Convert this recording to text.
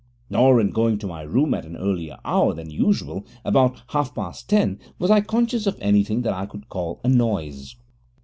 Nor, in going to my room at an earlier hour than usual about half past ten was I conscious of anything that I could call a noise.